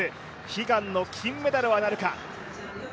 悲願の金メダルはなるか。